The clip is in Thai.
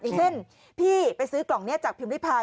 อย่างเช่นพี่ไปซื้อกล่องนี้จากพิมพิพาย